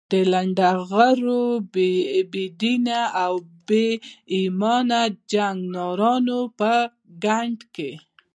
د لنډه غرو، بې دینه او بې ایمانه جنګمارانو په ګند کې.